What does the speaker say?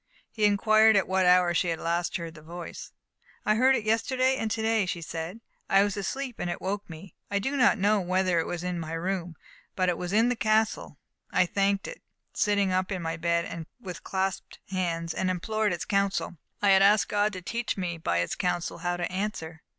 He inquired at what hour she had last heard the voice. "I heard it yesterday and to day," she said. "I was asleep, and it woke me.... I do not know whether it was in my room, but it was in the castle.... I thanked it, sitting up in my bed, with clasped hands, and implored its counsel.... I had asked God to teach me by its counsel how to answer."